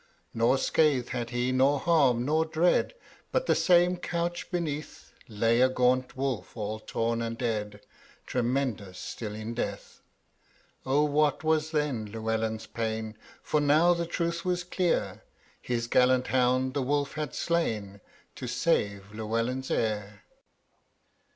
Nor scathe had he, nor harm, nor dread: But the same couch beneath, Lay a gaunt wolf all torn and dead, Tremendous still in death. Ah! what was then Llewelyn's pain? For now the truth was clear: His gallant hound the wolf had slain, To save Llewelyn's heir.'